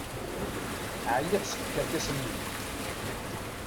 Ɛyiɣ seg tkerkas-nnem!